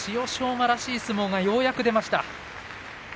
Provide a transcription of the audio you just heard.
馬らしい相撲がようやく出ました。